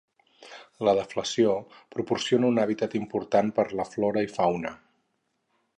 La deflació proporciona un hàbitat important per la flora i fauna.